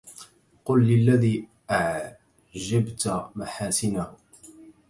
قل للذي أعجبت محاسنه